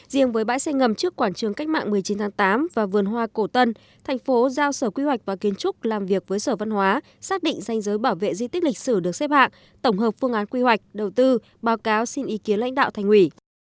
riêng với bãi xe ngầm trước quảng trường cách mạng một mươi chín tháng tám và vườn hoa cổ tân thành phố giao sở quy hoạch và kiến trúc làm việc với sở văn hóa xác định danh giới bảo vệ di tích lịch sử được xếp hạng tổng hợp phương án quy hoạch đầu tư báo cáo xin ý kiến lãnh đạo thành ủy